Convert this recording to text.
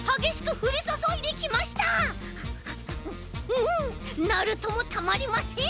うんナルトもたまりません！